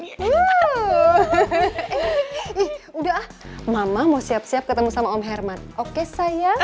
iya udah ah mama mau siap siap ketemu sama om herman oke saya